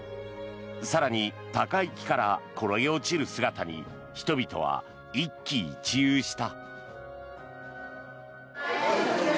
更に、高い木から転げ落ちる姿に人々は一喜一憂した。